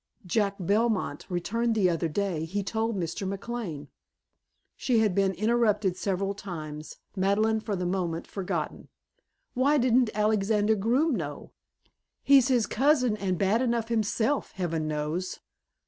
Jack Belmont returned the other day he told Mr. McLane." She had been interrupted several times, Madeleine for the moment forgotten. "Why didn't Alexander Groome know? He's his cousin and bad enough himself, heaven knows."